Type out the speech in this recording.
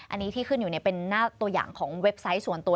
อันนี้ที่ขึ้นอยู่เป็นหน้าตัวอย่างของเว็บไซต์ส่วนตัว